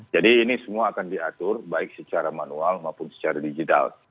jadi ini semua akan diatur baik secara manual maupun secara digital